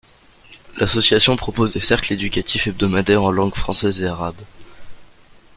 L’association propose des cercles éducatifs hebdomadaires en langue française et arabe.